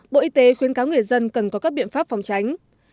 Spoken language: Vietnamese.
bộ y tế khuyến cáo người dân cần có các biện pháp phòng tránh